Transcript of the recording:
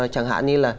chẳng hạn như là